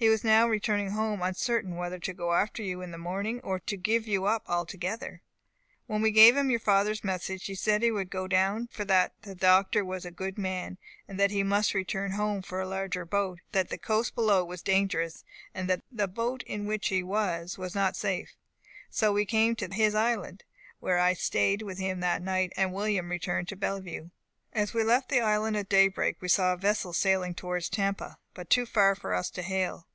He was now returning home, uncertain whether to go after you in the morning, or to give you up altogether. When we gave him your father's message, he said he would go, for that the Doctor was a good man, but that he must return home for a larger boat; that the coast below was dangerous, and that the boat in which he was was not safe. So we came to his island, where I staid with him that night, and William returned to Bellevue. "As we left the island at daybreak we saw a vessel sailing towards Tampa, but too far for us to hail.